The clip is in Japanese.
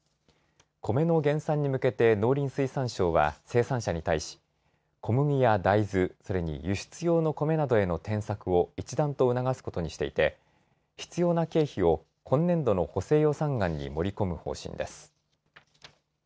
コメの減産に向けて農林水産省は生産者に対し小麦や大豆、それに輸出用のコメなどへの転作を一段と促すことにしていて必要な経費を今年度の補正予算案に盛り込む方針です。